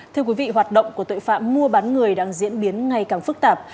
thưa quý vị hoạt động của tội phạm mua bán người đang diễn biến ngày càng phức tạp